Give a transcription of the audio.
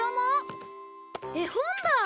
絵本だ！